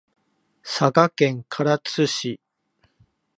佐賀県唐津市